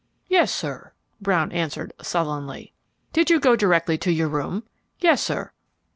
"Yes, sir," Brown answered, sullenly. "Did you go directly to your room?" "Yes, sir."